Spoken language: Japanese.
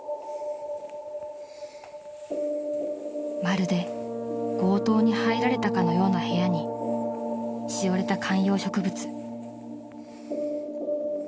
［まるで強盗に入られたかのような部屋にしおれた観葉植物］